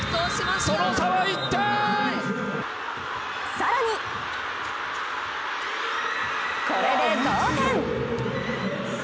更に、これで同点！